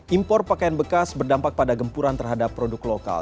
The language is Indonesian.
impor pakaian bekas berdampak pada gempuran terhadap produk lokal